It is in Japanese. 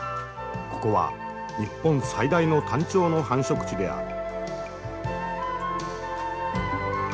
ここは日本最大のタンチョウの繁殖地である。